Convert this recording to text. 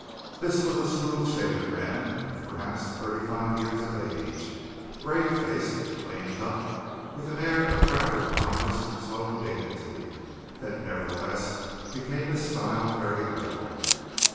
This was a smooth shaven man of perhaps thirty five years of age, grave faced, clean cut, with an air of rather ponderous slow dignity that nevertheless became his style very well.